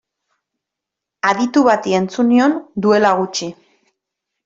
Aditu bati entzun nion duela gutxi.